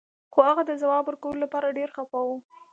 خو هغه د ځواب ورکولو لپاره ډیر خفه و